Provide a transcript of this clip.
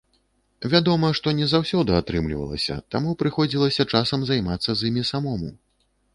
Вядома, што не заўсёды атрымлівалася, таму прыходзілася часам займацца з імі самому.